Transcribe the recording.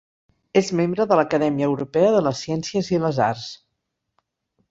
És membre de l'Acadèmia Europea de les Ciències i les Arts.